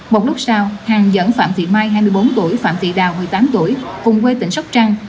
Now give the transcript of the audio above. một lúc sau hàng nhẫn phạm thị mai hai mươi bốn tuổi phạm thị đào một mươi tám tuổi cùng quê tỉnh sóc trăng